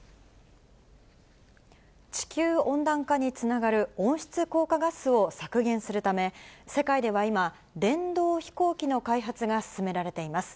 地球温暖化につながる温室効果ガスを削減するため、世界では今、電動飛行機の開発が進められています。